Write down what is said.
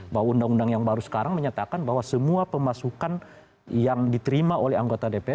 bahwa undang undang yang baru sekarang menyatakan bahwa semua pemasukan yang diterima oleh anggota dpr